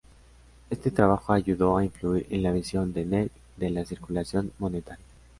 Este trabajo ayudó a influir en la visión de Nell de la "circulación monetaria".